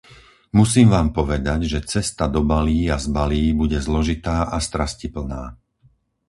Musím vám povedať, že cesta do Balí a z Balí bude zložitá a strastiplná.